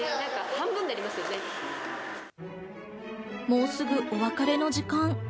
もうすぐお別れの時間。